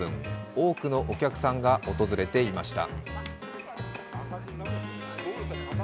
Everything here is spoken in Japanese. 多くのお客さんが訪れていました。